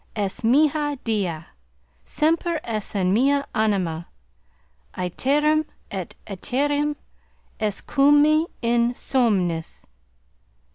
Es mihi dea! Semper es in mea anima. Iterum et iterum es cum me in somnis.